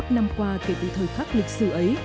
bốn mươi năm năm qua kể từ thời khắc lịch sử ấy